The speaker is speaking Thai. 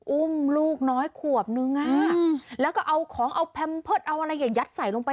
อุ้มลูกน้อยขวบนึงแล้วก็เอาของเอาแพมเพิร์ตเอาอะไรอย่างยัดใส่ลงไป